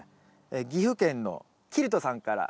岐阜県のキルトさんから。